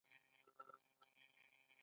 زرافه څنګه اوبه څښي؟